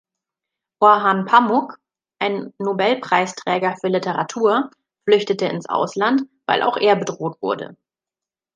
Orhan Pamuk, ein Nobelpreisträger für Literatur, flüchtete ins Ausland, weil auch er bedroht wurde.